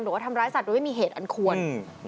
หรือว่าทำร้ายสัตว์โดยไม่มีเหตุอันควร